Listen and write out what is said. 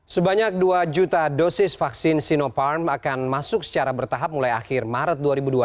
sebanyak dua juta dosis vaksin sinopharm akan masuk secara bertahap mulai akhir maret dua ribu dua puluh